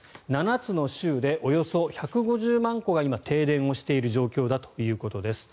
７つの州でおよそ１５０万戸が今、停電している状況だということです。